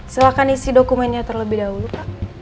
silahkan isi dokumennya terlebih dahulu pak